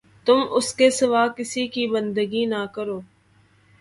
تم اس کے سوا کسی کی بندگی نہ کرو